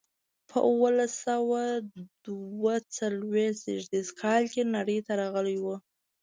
هغه په اوولس سوه دوه څلویښت زېږدیز کال کې نړۍ ته راغلی و.